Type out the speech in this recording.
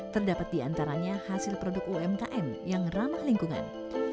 terdapat di antaranya hasil produk umkm yang ramah lingkungan